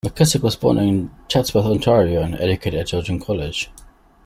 McKessock was born in Chatsworth, Ontario and educated at Georgian College.